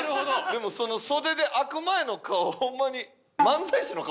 でもその袖で開く前の顔ホンマに。